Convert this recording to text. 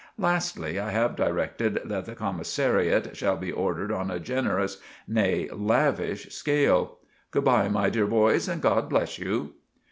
Lastly I have directed that the comissariat shall be ordered on a generous—nay, lavvish skale. Good bye, my dear boys, and God bless you."